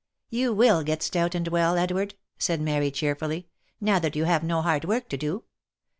" You will get stout and well, Edward," said Mary, cheerfully, " now that you have no hard work to do.